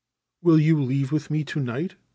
*" Will you leave with me to night ?